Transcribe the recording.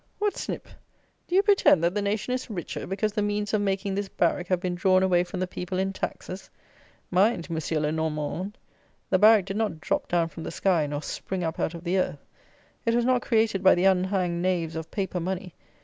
What, Snip! Do you pretend that the nation is richer, because the means of making this barrack have been drawn away from the people in taxes? Mind, Monsieur le Normand, the barrack did not drop down from the sky nor spring up out of the earth. It was not created by the unhanged knaves of paper money.